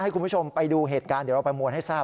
คุณผู้ชมไปดูเหตุการณ์เดี๋ยวเราประมวลให้ทราบ